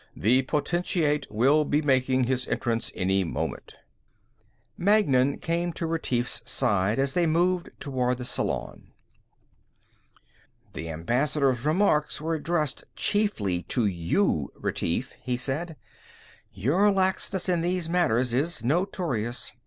The Potentate will be making his entrance any moment." Magnan came to Retief's side as they moved toward the salon. "The Ambassador's remarks were addressed chiefly to you, Retief," he said. "Your laxness in these matters is notorious.